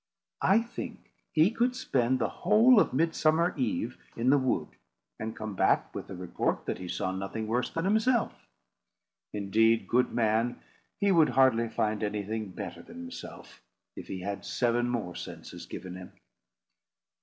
I think he could spend the whole of Midsummer eve in the wood and come back with the report that he saw nothing worse than himself. Indeed, good man, he would hardly find anything better than himself, if he had seven more senses given him."